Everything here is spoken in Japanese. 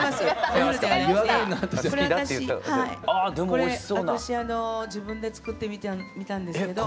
これ私自分で作ってみたんですけど。